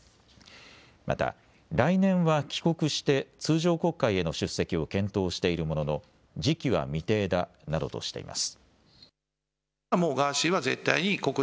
また来年は帰国して通常国会への出席を検討しているものの時期は未定だなどとしています。